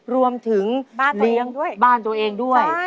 รวมถึงบ้านตัวเองด้วย